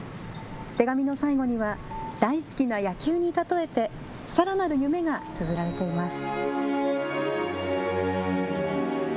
手紙の最後には大好きな野球に例えてさらなる夢がつづられています。